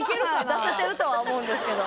出せてるとは思うんですけど。